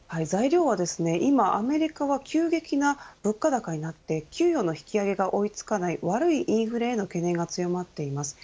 アメリカは急激な物価高になっていて給料の引き上げが追いつかない悪いインフレの懸念が強まっています。